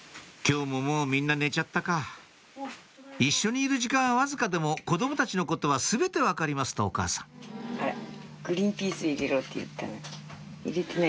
今日ももうみんな寝ちゃったか「一緒にいる時間はわずかでも子供たちのことは全て分かります」とお母さんハハハ！